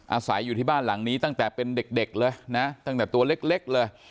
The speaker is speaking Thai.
อาศัยอยู่ที่บ้านหลังนี้ตั้งแต่เป็นเด็กเลยนะตั้งแต่ตัวเล็กเลย